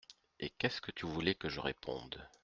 Et qu’est-ce que tu voulais que je réponde ?